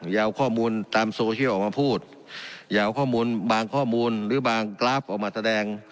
อย่าเอาข้อมูลตามโซเชียลออกมาพูดอย่าเอาข้อมูลบางข้อมูลหรือบางกราฟออกมาแสดง